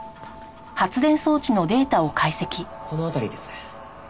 この辺りです。